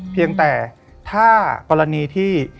เพียงแต่ถ้ากรณีที่